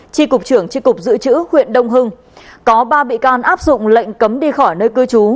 tri cục trưởng tri cục dự trữ huyện đông hưng có ba bị can áp dụng lệnh cấm đi khỏi nơi cư trú